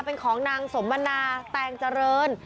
เป็นของนางสมมนาแตงเจริญ